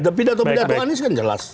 tapi pidato pidato anies kan jelas